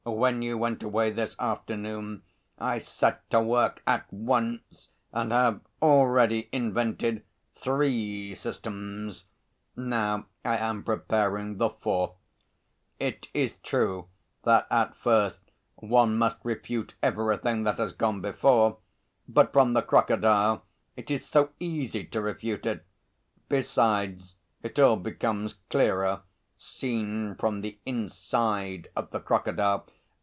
When you went away this afternoon I set to work at once and have already invented three systems, now I am preparing the fourth. It is true that at first one must refute everything that has gone before, but from the crocodile it is so easy to refute it; besides, it all becomes clearer, seen from the inside of the crocodile....